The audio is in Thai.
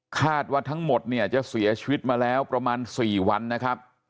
คาดว่าทั้งหมดเนี่ยจะเสียชีวิตมาแล้วประมาณ๔วันนะครับ